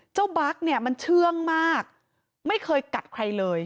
เจ้าบั๊กมันเชื่องมากไม่เคยกัดใครเลย